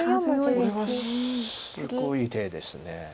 これはすごい手です。